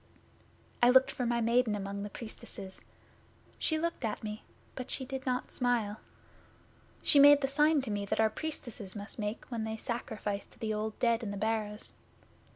I looked for my Maiden among the Priestesses. She looked at me, but she did not smile. She made the sign to me that our Priestesses must make when they sacrifice to the Old Dead in the Barrows.